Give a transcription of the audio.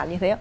như thế ạ